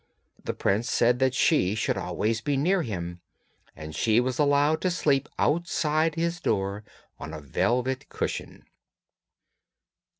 The prince said that she should always be near him, and she was allowed to sleep outside his door on a velvet cushion.